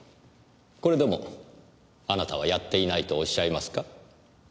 これでもあなたはやっていないとおっしゃいますか？